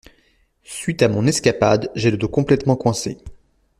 Suite à mon escapade, j’ai le dos complètement coincé.